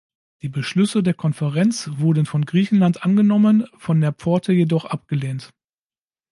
Die Beschlüsse der Konferenz wurden von Griechenland angenommen, von der Pforte jedoch abgelehnt.